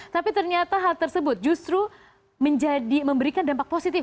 tapi ternyata hal tersebut justru memberikan dampak positif